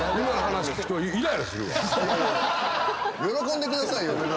喜んでくださいよ！